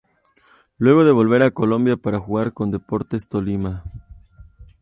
Luego de volver a Colombia para jugar con Deportes Tolima.